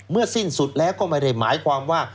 สิ้นสุดแล้วก็ไม่ได้หมายความว่า